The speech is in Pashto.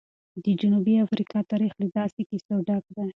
د جنوبي افریقا تاریخ له داسې کیسو ډک دی.